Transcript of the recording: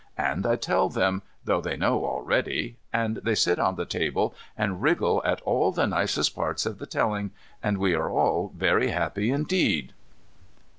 And I tell them, though they know already, and they sit on the table and wriggle at all the nicest parts of the telling, and we are all very happy indeed.